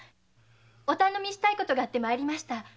お頼みしたいことがあって参りました。